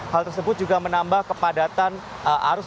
hal tersebut juga menambah kepadatan arus